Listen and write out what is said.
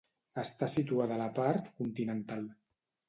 Està situada a la part continental.